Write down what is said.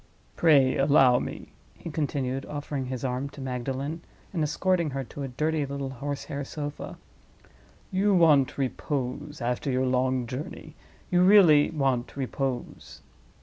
Pray allow me," he continued, offering his arm to Magdalen, and escorting her to a dirty little horse hair sofa. "You want repose—after your long journey, you really want repose."